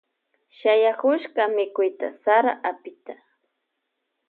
Shayakushka mikuyta sara apita.